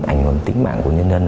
ảnh hưởng tính mạng của nhân dân